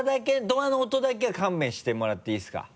ドアの音だけは勘弁してもらっていいですか？